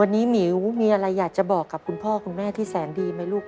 วันนี้หมิวมีอะไรอยากจะบอกกับคุณพ่อคุณแม่ที่แสนดีไหมลูก